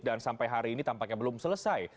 dan sampai hari ini tampaknya belum selesai